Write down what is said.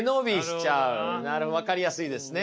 分かりやすいですね。